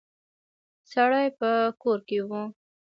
سړی په کور کې و.